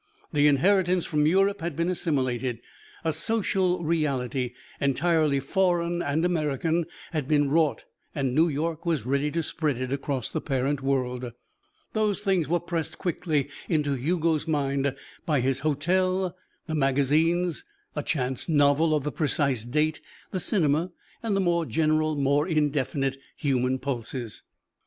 The inheritance from Europe had been assimilated; a social reality, entirely foreign and American, had been wrought and New York was ready to spread it across the parent world. Those things were pressed quickly into Hugo's mind by his hotel, the magazines, a chance novel of the precise date, the cinema, and the more general, more indefinite human pulses.